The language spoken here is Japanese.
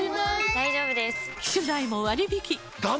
大丈夫です！